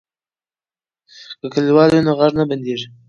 که کلیوال وي نو غږ نه بندیږي.